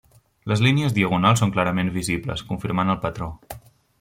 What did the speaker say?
Les línies diagonals són clarament visibles, confirmant el patró.